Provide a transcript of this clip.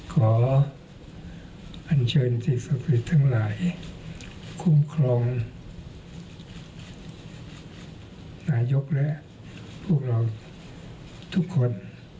ขออันเชิญที่สภิตทั้งหลายคุ้มครองนายกและพวกเราทุกคน